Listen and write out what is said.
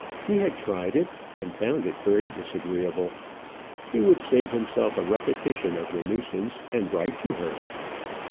He had tried it, and found it very disagreeable. He would save himself a repetition of the nuisance and write to her.